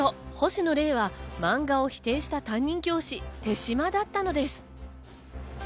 野０はマンガを否定した担任教師・手島だったのです。